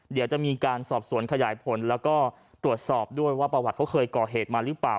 เดี๋ยวจะมีการสอบสวนขยายผลแล้วก็ตรวจสอบด้วยว่าประวัติเขาเคยก่อเหตุมาหรือเปล่า